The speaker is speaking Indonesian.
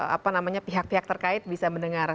apa namanya pihak pihak terkait bisa mendengar